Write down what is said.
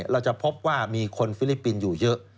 เราจะพบว่ามีคนฟิลิปปินส์อยู่เยอะ